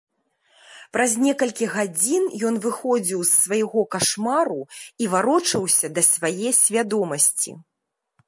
Праз некалькі гадзін ён выходзіў з свайго кашмару і варочаўся да свае свядомасці.